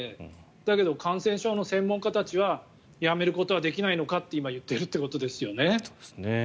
だけど、感染症の専門家たちはやめることはできないのかって今、言っているっていうことですよね。